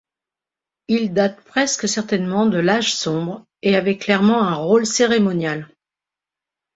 Il date presque certainement de l'âge sombre et avait clairement un rôle cérémonial.